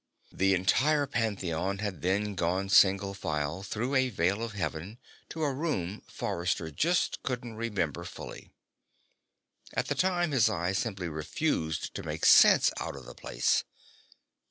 The entire Pantheon had then gone single file through a Veil of Heaven to a room Forrester just couldn't remember fully. At the time, his eyes simply refused to make sense out of the place.